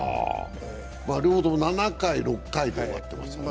両方とも７回６回で終わってますからね。